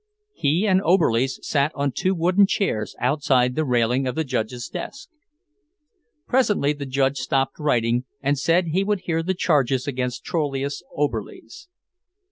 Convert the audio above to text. He and Oberlies sat on two wooden chairs outside the railing of the judge's desk. Presently the judge stopped writing and said he would hear the charges against Troilus Oberlies.